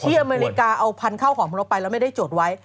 อเมริกาเอาพันธุ์ข้าวของของเราไปแล้วไม่ได้จดไว้